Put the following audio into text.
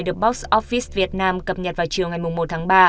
được box office việt nam cập nhật vào chiều ngày một tháng ba